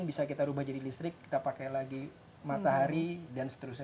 bisa kita ubah jadi listrik kita pakai lagi matahari dan seterusnya